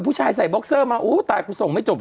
ผู้ชายใส่บ็อกเซอร์มาอู้ตายกูส่งไม่จบเห